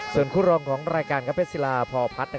ส่วนคุณรองของรายการกระเพชรศีลาพพัท